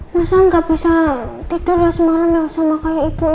masa gak bisa tidur ya semalam sama kayak ibu ya